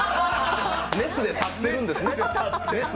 熱でたってるんでね。